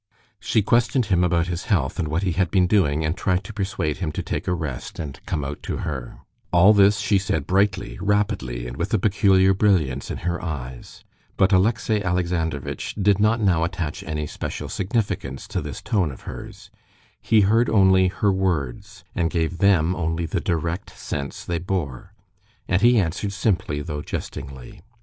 She questioned him about his health and what he had been doing, and tried to persuade him to take a rest and come out to her. All this she said brightly, rapidly, and with a peculiar brilliance in her eyes. But Alexey Alexandrovitch did not now attach any special significance to this tone of hers. He heard only her words and gave them only the direct sense they bore. And he answered simply, though jestingly.